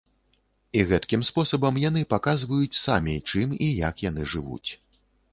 І гэткім спосабам яны паказваюць самі, чым і як яны жывуць.